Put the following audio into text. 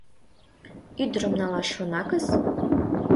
Ӱдырым налаш шонакыс!